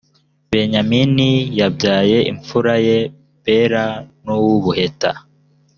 benyamini yabyaye imfura ye bela n uw ubuheta